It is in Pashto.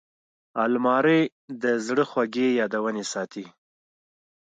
الماري د زړه خوږې یادونې ساتي